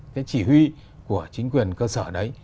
cái chỉ huy của chính quyền cơ sở đấy